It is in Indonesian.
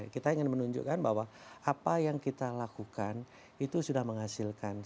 kita ingin menunjukkan bahwa apa yang kita lakukan itu sudah menghasilkan